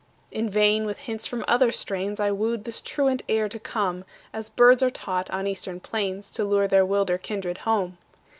In vain with hints from other strains I wooed this truant air to come As birds are taught on eastern plains To lure their wilder kindred home.